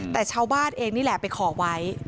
แต่ชาวบ้านเองนี่แหละไปขอไว้